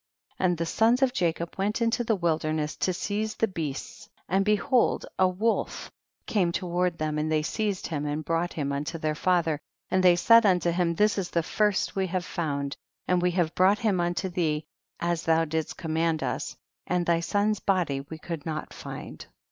40. And the sons of Jacob went into the wilderness to seize the beasts, and behold a wolf came to ward them, and they seized him, and brought him unto their father, and ihev said luito him, this is the first we have found, and we have brought him unto thee as tiiou didst com mand us, and thy son's body we could not find.